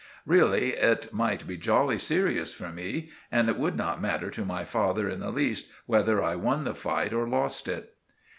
Really it might be jolly serious for me, and it would not matter to my father in the least whether I won the fight or lost it."